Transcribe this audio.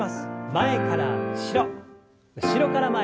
前から後ろ後ろから前に。